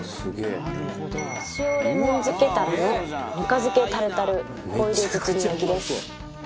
「なるほど」塩レモン漬けタラのぬか漬けタルタルホイル包み焼きです。